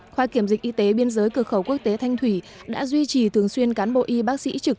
khoa kiểm dịch y tế biên giới cửa khẩu quốc tế thanh thủy đã duy trì thường xuyên cán bộ y bác sĩ trực